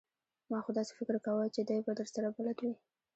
ما خو داسې فکر کاوه چې دی به درسره بلد وي!